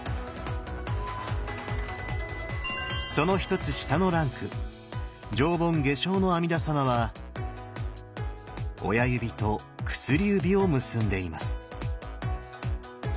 その１つ下のランク上品下生の阿弥陀様は親指と薬指を結んでいます。